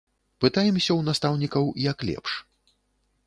Пытаемся ў настаўнікаў, як лепш.